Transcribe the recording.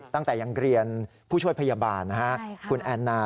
ตั้งแต่ยังเรียนผู้ช่วยพยาบาลคุณแอนนา